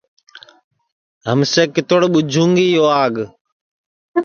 ہمسیے کِتوڑ ٻُوجھوں گی یو آگ